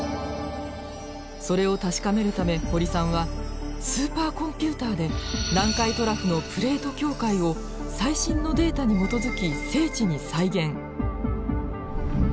それを確かめるため堀さんはスーパーコンピューターで南海トラフのプレート境界を最新のデータに基づき精緻に再現。